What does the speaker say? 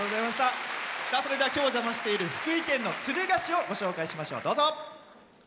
それでは、今日お邪魔している、福井県の敦賀市をご紹介しましょう。